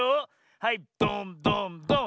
はいドドーンドン。